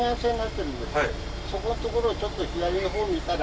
そこんところをちょっと左のほう見たら。